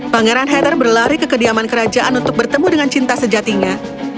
pangeran hater berlari ke kediaman kerajaan untuk bertemu dengan cinta sejatinya